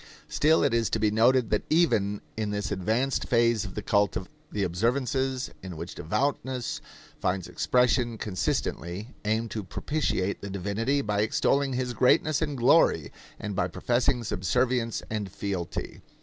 Still it is to be noted that even in this advanced phase of the cult the observances in which devoutness finds expression consistently aim to propitiate the divinity by extolling his greatness and glory and by professing subservience and fealty.